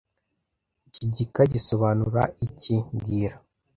Iki gika gisobanura iki mbwira